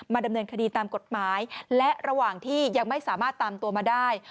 ดำเนินคดีตามกฎหมายและระหว่างที่ยังไม่สามารถตามตัวมาได้